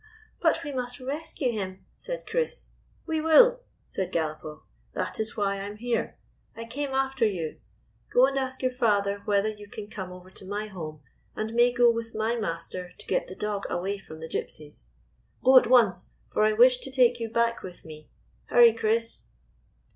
" But we must rescue him," said Chris. "We will," said Galopoff. "That is why I am here. I came after you. Go and ask your father whether you can come over to my home, 210 THE MARCH UPON THE FOE and may go with my master to get the dog away from the Gypsies. Go at once, for I wish to take you back with me. Hurry, Chris."